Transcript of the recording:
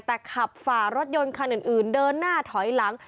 แต่ขับฝ่ารถยนต์คันอื่นเดินหน้าถอยหลัง